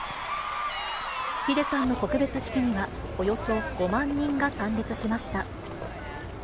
ｈｉｄｅさんの告別式には、およそ５万人が参列しました。